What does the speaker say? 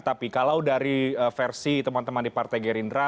tapi kalau dari versi teman teman di partai gerindra